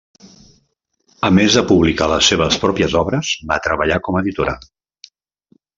A més de publicar les seves pròpies obres, va treballar com a editora.